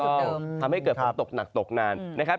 ทำให้เกิดฝนตกหนักตกนานนะครับ